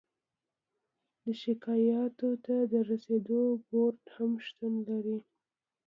د شکایاتو ته د رسیدو بورد هم شتون لري.